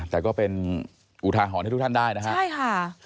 แต่ก็เป็นอุทาหรณ์ให้ทุกท่านได้นะฮะใช่ค่ะ